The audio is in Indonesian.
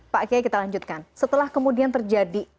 pak kiai kita lanjutkan setelah kemudian terjadi